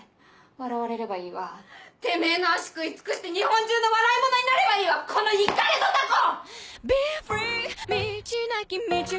笑われればいいわてめぇの脚食い尽くして日本中の笑いものになればいいわこのイカれドタコ！